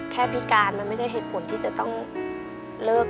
พิการมันไม่ได้เหตุผลที่จะต้องเลิก